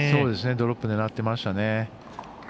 ドロップ狙ってましたね。